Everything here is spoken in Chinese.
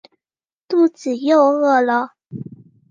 肚子又饿了